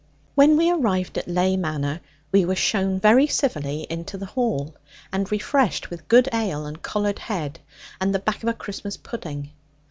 When we arrived at Ley Manor, we were shown very civilly into the hall, and refreshed with good ale and collared head, and the back of a Christmas pudding.